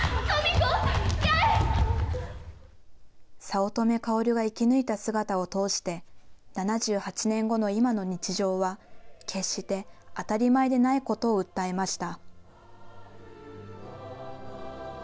早乙女薫が生き抜いた姿を通して、７８年後の今の日常は決して当たり前でないことを訴えました。